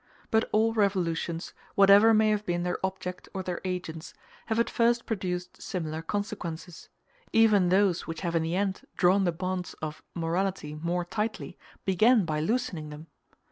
But all revolutions, whatever may have been their object or their agents, have at first produced similar consequences; even those which have in the end drawn the bonds of morality more tightly began by loosening them.